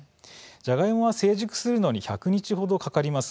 ジャガイモは成熟するのに１００日程かかります。